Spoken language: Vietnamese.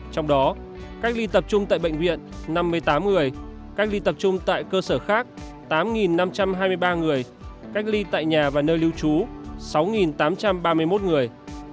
trong đó cách ly tập trung tại bệnh viện năm mươi tám người cách ly tập trung tại cơ sở khác tám năm trăm hai mươi ba người cách ly tại nhà và nơi lưu trú sáu tám trăm ba mươi một người